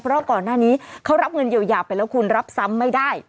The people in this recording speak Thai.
เพราะก่อนหน้านี้เขารับเงินเยียวยาไปแล้วคุณรับซ้ำไม่ได้